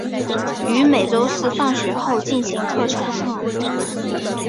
于每周四放学后进行课程。